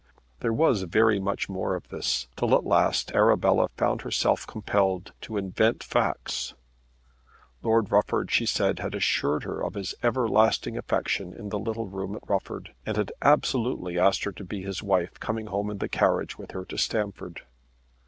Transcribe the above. There was very much more of this, till at last Arabella found herself compelled to invent facts. Lord Rufford, she said, had assured her of his everlasting affection in the little room at Rufford, and had absolutely asked her to be his wife coming home in the carriage with her to Stamford.